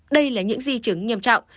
đây là những di chứng nghiêm trọng